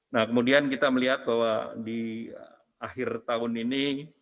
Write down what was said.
nah kemudian kita melihat bahwa di akhir tahun ini